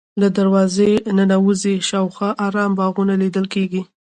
له دروازې ننوځې شاوخوا ارام باغونه لیدل کېږي.